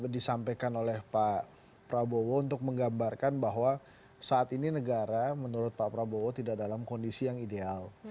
disampaikan oleh pak prabowo untuk menggambarkan bahwa saat ini negara menurut pak prabowo tidak dalam kondisi yang ideal